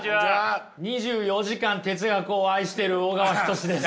２４時間哲学を愛している小川仁志です。